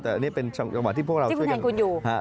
แต่อันนี้เป็นจังหวะที่พวกเราช่วยกันที่คุณแทนกูลอยู่